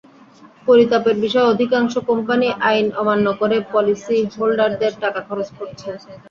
পরিতাপের বিষয় অধিকাংশ কোম্পানিই আইন অমান্য করে পলিসি হোল্ডারদের টাকা খরচ করছে।